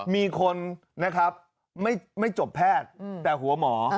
มีคนนะครับไม่จบแพทย์แต่หัวหมอ